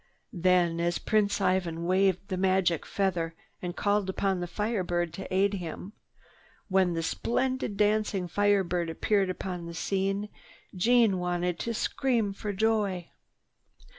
Then, as Prince Ivan waved the magic feather and called upon the Fire Bird to aid him, when the splendid dancing Fire Bird appeared upon the scene, Jeanne wanted to scream for joy.